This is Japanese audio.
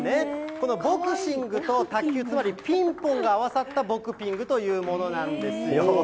このボクシングと卓球、つまりピンポンが合わさったボクピングというものなんですよ。